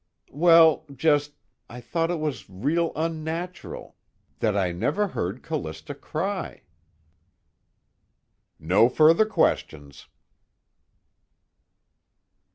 "Well, just I thought it was real unnatural, that I never heard Callista cry." "No further questions."